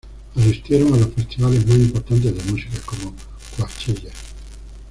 Asistieron a los festivales más importantes de música como Coachella.